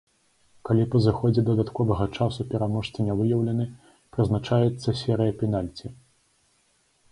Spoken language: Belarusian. Калі па зыходзе дадатковага часу пераможца не выяўлены, прызначаецца серыя пенальці.